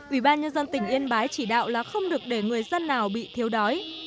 ủy ban nhân dân tỉnh yên bái chỉ đạo là không được để người dân nào bị thiếu đói